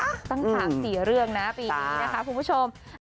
ตั้ง๓๔เรื่องนะปีนี้นะคะคุณผู้ชม